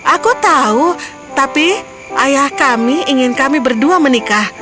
aku tahu tapi ayah kami ingin kami berdua menikah